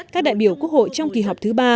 các đại biểu quốc hội trong kỳ họp thứ ba